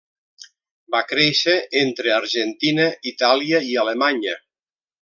Va créixer entre Argentina, Itàlia i Alemanya.